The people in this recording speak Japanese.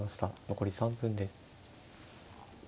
残り３分です。